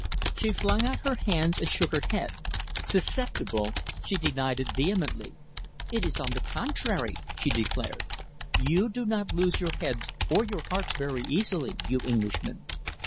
She flung out her hands and shook her head. Susceptible! She denied it vehemently. "It is on the contrary," she declared. "You do not lose your heads or your hearts very easily, you Englishmen."